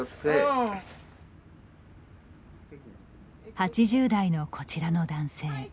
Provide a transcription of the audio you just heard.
８０代のこちらの男性。